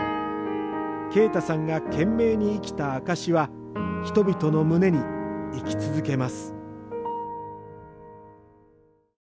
慶太さんが懸命に生きた証しは人々の胸に生き続けます。